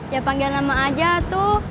ya panggil nama aja atu